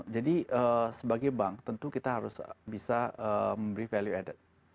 jadi sebagai bank tentu kita harus bisa memberi value added